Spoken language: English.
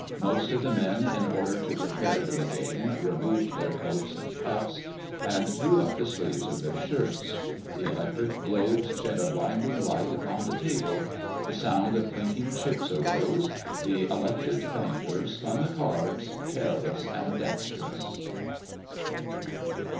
Most of the men, in order to prepare for the game, removed their coats and cuffs and drew up the sleeves of their shirts. The electric globes shed a blinding light upon the table. The sound of clinking chips arose; the elected banker spun the cards, careless and dextrous."